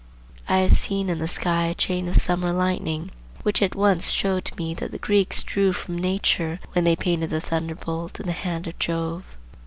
I have seen in the sky a chain of summer lightning which at once showed to me that the Greeks drew from nature when they painted the thunderbolt in the hand of Jove.